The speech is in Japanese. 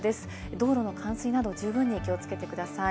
道路の冠水など十分に気をつけてください。